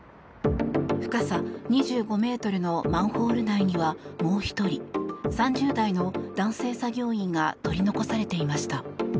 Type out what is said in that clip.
深さ２５ｍのマンホール内にはもう１人３０代の男性作業員が取り残されていました。